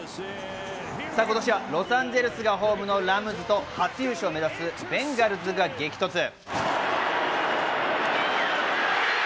今年はロサンゼルスがホームのラムズと初優勝を目指すベンガルズが激突。